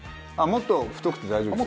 もっと太くて大丈夫。